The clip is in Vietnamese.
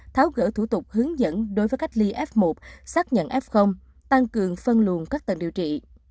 tháo gỡ thủ tục hướng dẫn đối với cách ly f một xác nhận f tăng cường phân luồng các tầng điều trị